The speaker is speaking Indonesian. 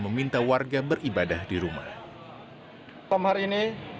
lepas tangguhnya lakukan